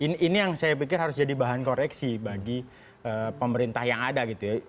nah ini yang saya pikir harus jadi bahan koreksi bagi pemerintah yang ada gitu ya